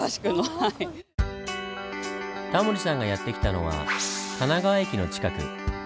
タモリさんがやって来たのは神奈川駅の近く。